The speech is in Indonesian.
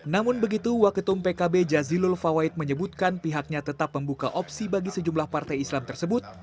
namun begitu waketum pkb jazilul fawait menyebutkan pihaknya tetap membuka opsi bagi sejumlah partai islam tersebut